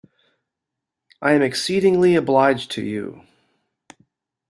I am exceedingly obliged to you.